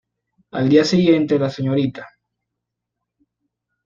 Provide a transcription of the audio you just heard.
Al día siguiente, la Srta.